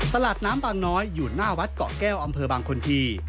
ตลาดน้ำบางน้อยอยู่หน้าวัดเกาะแก้วอำเภอบางคนที